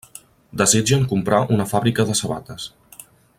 Desitgen comprar una fàbrica de sabates.